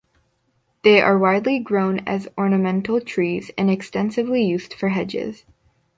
They are widely grown as ornamental trees, and extensively used for hedges.